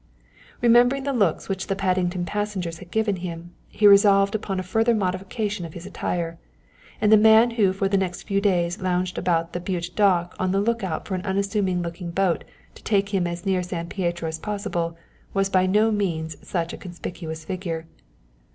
Remembering the looks which the Paddington passengers had given him, he resolved upon a further modification in his attire, and the man who for the next few days lounged about the Bute Dock on the look out for an unassuming looking boat to take him as near San Pietro as possible was by no means such a conspicuous figure.